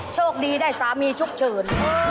โชคดีได้สามีฉุกเฉิน